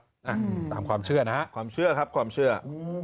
ตามความเชื่อนะฮะความเชื่อครับความเชื่อ